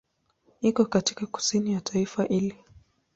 Iko katika kusini ya taifa hili.